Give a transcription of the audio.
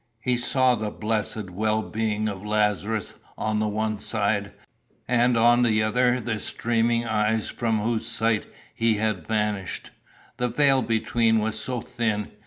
He saw the blessed well being of Lazarus on the one side, and on the other the streaming eyes from whose sight he had vanished. The veil between was so thin!